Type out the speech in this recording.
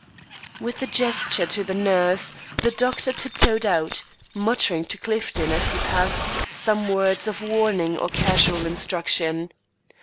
With a gesture to the nurse, the doctor tiptoed out, muttering to Clifton, as he passed, some word of warning or casual instruction.